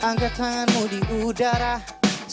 angkat tanganmu di udara setinggi tingginya